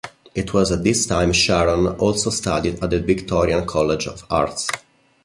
It was at this time Sharon also studied at the Victorian College of Arts.